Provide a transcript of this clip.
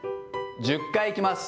１０回いきます。